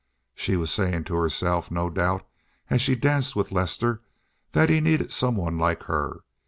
She was saying to herself now no doubt as she danced with Lester that he needed some one like her.